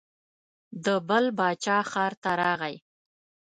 د بل باچا ښار ته راغی.